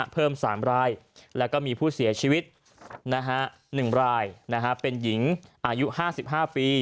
เพิ่ม๓รายแล้วก็มีผู้เสียชีวิต๑รายเป็นหญิงอายุ๕๕ปี